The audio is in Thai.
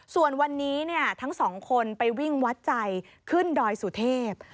ส่วนวันนี้ทั้งสองคนไปวิ่งวัดใจขึ้นดอยสุเทพ